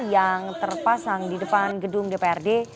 yang terpasang di depan gedung dprd